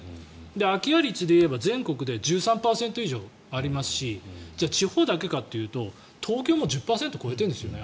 空き家率でいえば全国で１３％以上ありますし地方だけかというと東京も１０％を超えているんですね